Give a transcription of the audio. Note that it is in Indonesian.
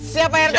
siap pak rt